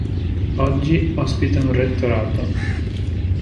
Oggi ospita un Rettorato.